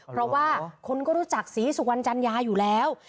เพราะว่าคนก็รู้จักศรีสุวรรณจัญญาอยู่แล้ว